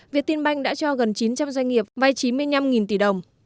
việt tin banh đã cho gần chín trăm linh doanh nghiệp vay chín mươi năm tỷ đồng